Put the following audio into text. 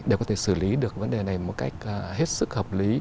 để có thể xử lý được vấn đề này một cách hết sức hợp lý